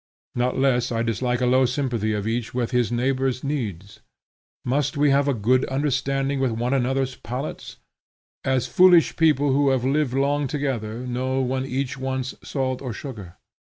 Not less I dislike a low sympathy of each with his neighbor's needs. Must we have a good understanding with one another's palates? as foolish people who have lived long together know when each wants salt or sugar.